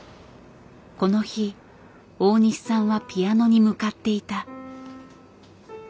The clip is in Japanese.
この日大西さんはピアノに向かっていた。